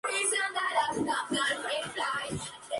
Su capital era São Luís.